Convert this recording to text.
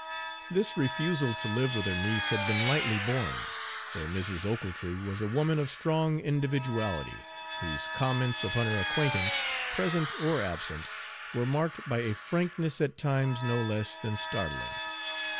This refusal to live with her niece had been lightly borne, for Mrs. Ochiltree was a woman of strong individuality, whose comments upon her acquaintance, present or absent, were marked by a frankness at times no less than startling.